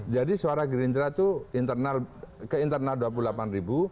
jadi suara gerindra itu ke internal dua puluh delapan ribu